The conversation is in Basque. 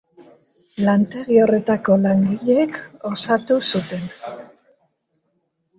Lantegi horretako langileek osatu zuten.